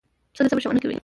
پسه د صبر ښوونه کوي.